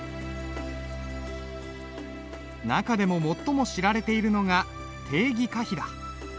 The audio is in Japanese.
中でも最も知られているのが鄭羲下碑だ。